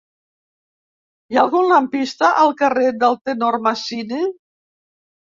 Hi ha algun lampista al carrer del Tenor Masini?